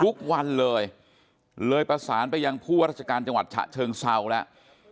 ทุกวันเลยเลยประสานไปยังผู้ว่าราชการจังหวัดฉะเชิงเซาแล้ว